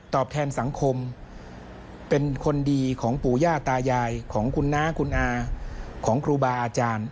แทนสังคมเป็นคนดีของปู่ย่าตายายของคุณน้าคุณอาของครูบาอาจารย์